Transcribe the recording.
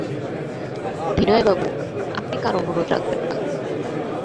বিনয়বাবু, আপনি কারো অনুরোধ রাখবেন না।